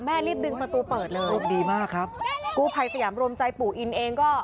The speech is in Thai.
แม่รีบดึงประตูเปิดเลยโอ๊ยดีมากครับกรูไพสยามรมใจปู่อินเองค่ะ